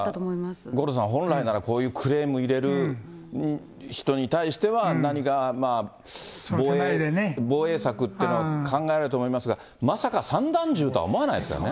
だから五郎さん、本来なら、こういうクレーム入れる人に対しては、何か防衛策っていうのを考えると思いますが、まさか散弾銃とは思わないですよね。